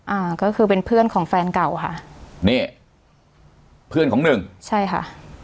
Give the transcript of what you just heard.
อ่าก็คือเป็นเพื่อนของแฟนเก่าค่ะนี่เพื่อนของหนึ่งใช่ค่ะ